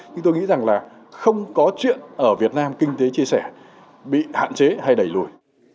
nhưng tôi nghĩ rằng là không có chuyện ở việt nam kinh tế chia sẻ bị hạn chế hay đẩy lùi